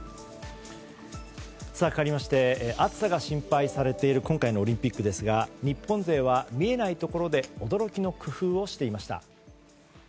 かわりまして暑さが心配されている今回のオリンピックですが日本勢は見えないところで驚きの工夫をしていました。